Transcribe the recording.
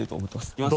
いきます。